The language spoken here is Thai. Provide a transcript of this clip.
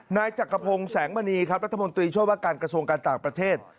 นายจักรพงศ์แสงมณีครับรัฐมนตรีช่วยว่าการกระทรวงการต่างประเทศ